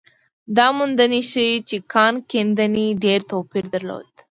دا موندنې ښيي چې کان کیندنې ډېر توپیر درلود.